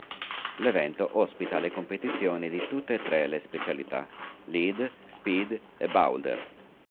L'evento ospita le competizioni di tutte e tre le specialità: Lead, Speed e Boulder.